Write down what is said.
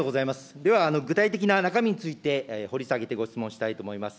では、具体的な中身について掘り下げてご質問したいと思います。